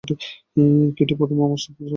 Kitty, প্রথমে আমরা soup serve করবো।